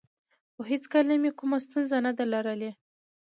خو هېڅکله مې کومه ستونزه نه ده لرلې